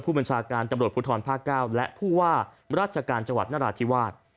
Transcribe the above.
ผู้บริษาการตำรวจพุทธรพศและผู้ว่าราชการจนราธิวาส